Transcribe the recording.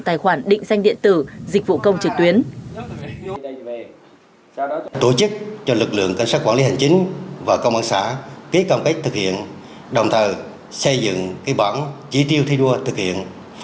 tài khoản định danh điện tử dịch vụ công trực tuyến